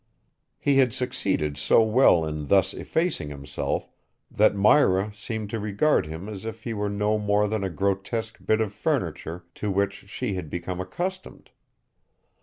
He had succeeded so well in thus effacing himself that Myra seemed to regard him as if he were no more than a grotesque bit of furniture to which she had become accustomed.